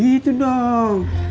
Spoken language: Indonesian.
nah gitu dong